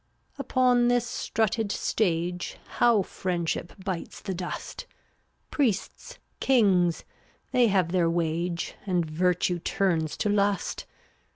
351 Upon this strutted stage How friendship bites the dust; Priests, Kings — they have their wage, And Virtue turns to Lust.